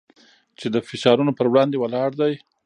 چې د فشارونو پر وړاندې ولاړ دی.